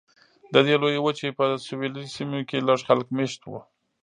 د دې لویې وچې په سویلي سیمو کې لږ خلک مېشت وو.